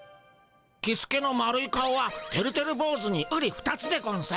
キスケの丸い顔はてるてるぼうずにうり二つでゴンス。